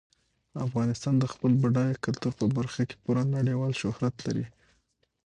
افغانستان د خپل بډایه کلتور په برخه کې پوره نړیوال شهرت لري.